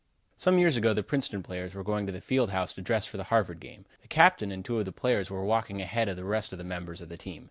Some years ago the Princeton players were going to the field house to dress for the Harvard game. The captain and two of the players were walking ahead of the rest of the members of the team.